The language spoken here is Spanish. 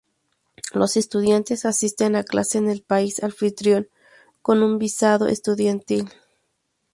Los estudiantes asisten a clase en el país anfitrión con un visado estudiantil.